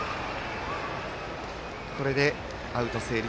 これでアウト成立。